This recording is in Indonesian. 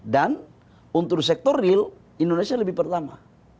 dan untuk sektor real indonesia lebih pertama